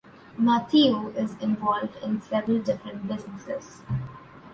Mateo is involved in several different businesses.